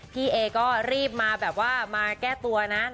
พี่เอก็รีบมาแบบว่ามาแก้ตัวนะ